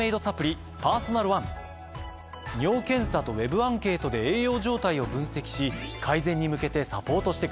尿検査とＷＥＢアンケートで栄養状態を分析し改善に向けてサポートしてくれるんです。